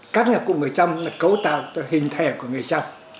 các nhạc của người chăm là cấu tạo cho hình thể của người chăm